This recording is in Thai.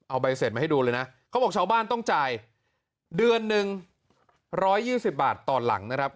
เอาใบเสร็จมาให้ดูเลยนะเขาบอกชาวบ้านต้องจ่ายเดือนหนึ่ง๑๒๐บาทต่อหลังนะครับ